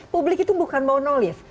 publik itu bukan monolith